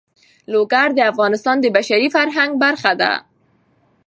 لوگر د افغانستان د بشري فرهنګ برخه ده.